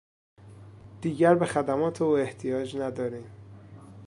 دیگر به خدمات او احتیاج نداریم.